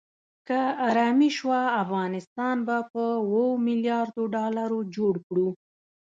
که آرامي شوه افغانستان به په اوو ملیاردو ډالرو جوړ کړو.